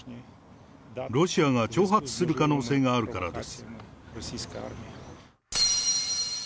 ロシアが挑発する可能性があるからです。